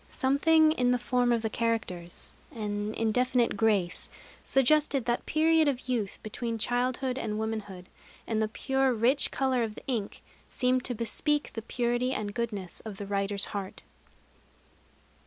Something in the form of the characters, an indefinite grace, suggested that period of youth between childhood and womanhood; and the pure rich color of the ink seemed to bespeak the purity and goodness of the writer's heart.